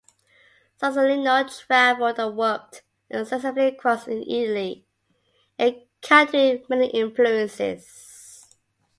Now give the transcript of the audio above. Scarsellino traveled and worked extensively across Italy, encountering many influences.